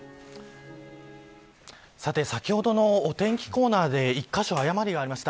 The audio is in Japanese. さて先ほどのお天気コーナーで１カ所、誤りがありました